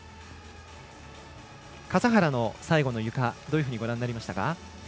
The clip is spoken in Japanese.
笠原の最後のゆかどのようにご覧になりましたか？